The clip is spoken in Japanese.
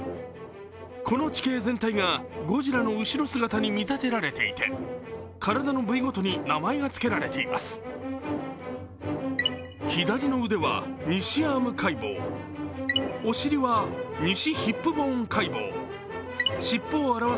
この地形全体がゴジラの後ろ姿に見立てられていて体の部位ごとに名前が付けられています。